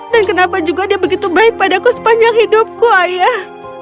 dan kenapa juga dia begitu baik padaku sepanjang hidupku ayah